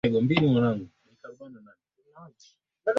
wamepiga kura kwa amanii na utulivu